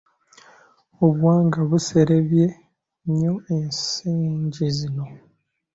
Obuwangwa buserebye nnyo ensangi zino.